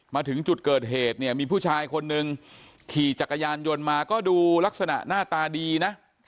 มาถึงจุดเกิดเหตุเนี่ยมีผู้ชายคนนึงขี่จักรยานยนต์มาก็ดูลักษณะหน้าตาดีนะ